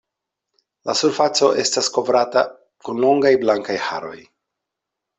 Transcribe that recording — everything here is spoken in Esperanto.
La surfaco estas kovrata kun longaj blankaj haroj.